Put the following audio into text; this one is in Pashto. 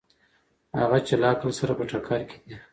هغه چې له عقل سره په ټکر کې دي.